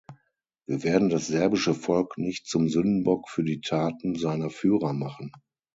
Wir werden das serbische Volk nicht zum Sündenbock für die Taten seiner Führer machen.